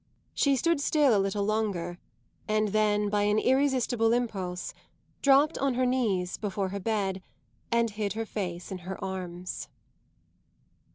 She stood still a little longer, and then, by an irresistible impulse, dropped on her knees before her bed and hid her face in her arms.